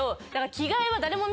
着替えは。